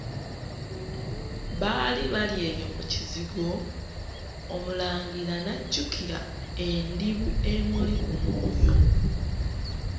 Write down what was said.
Baali bali eyo mu kizigo, omulangira n'ajjukira endibu emuli ku mwoyo.